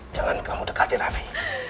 jangan kamu dekati raffi